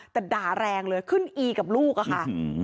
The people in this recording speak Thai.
แต่ด่าแรงเลยขึ้นอีกับลูกอะค่ะ